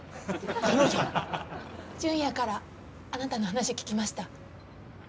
ジュンヤからあなたの話聞きました。